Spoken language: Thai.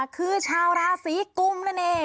คือชาวราศีกุมนะเนี่ย